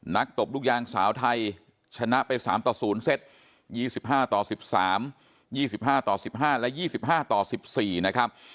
ตบลูกยางสาวไทยชนะไป๓ต่อ๐เซต๒๕ต่อ๑๓๒๕ต่อ๑๕และ๒๕ต่อ๑๔นะครับ